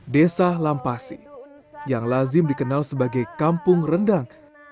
desa lampasi yang lazim dikenal sebagai kampung rendang